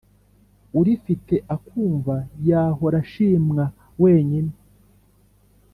urifite akumva yahora ashimwa wenyine,